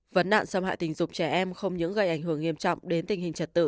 vấn nạn xâm hại tình dục trẻ em không những gây ảnh hưởng nghiêm trọng đến tình hình trật tự